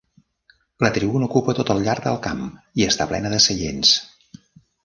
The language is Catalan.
La tribuna ocupa tot el llarg del camp i està plena de seients.